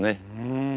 ん！